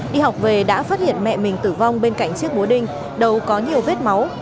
đi học về đã phát hiện mẹ mình tử vong bên cạnh chiếc búa đinh đầu có nhiều vết máu